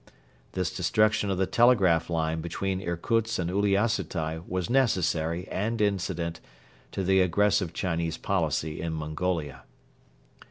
This destruction of the telegraph line between Irkutsk and Uliassutai was necessary and incident to the aggressive Chinese policy in Mongolia.